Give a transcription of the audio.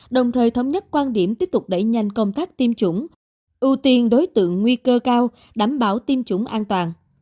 đồng thời thống nhất quan điểm tiếp tục đẩy nhanh công tác tiêm chủng ưu tiên đối tượng nguy cơ cao đảm bảo tiêm chủng an toàn